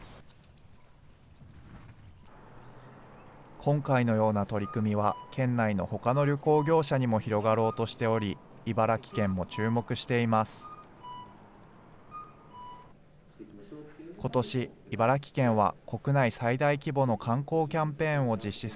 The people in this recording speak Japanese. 今回のような取り組みは、県内のほかの旅行業者にも広がろうとしており、茨城県も注目しています。